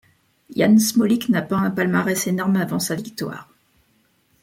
Jan Smolík n'a pas un palmarès énorme avant sa victoire.